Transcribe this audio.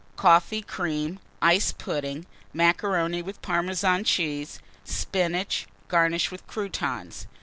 Coffee Cream. Ice Pudding. Macaroni with Parmesan Cheese. Spinach, garnished with Croutons.